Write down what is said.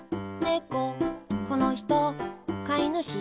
ここの人、飼い主